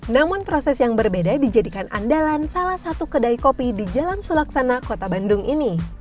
namun proses yang berbeda dijadikan andalan salah satu kedai kopi di jalan sulaksana kota bandung ini